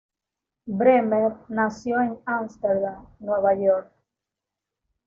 Bremer nació en Amsterdam, Nueva York.